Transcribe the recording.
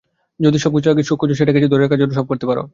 যদি সবকিছুর আগে সুখ খোঁজো, সেটাকে ধরে রাখার জন্য সব করতে পারবে।